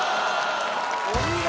・お見事！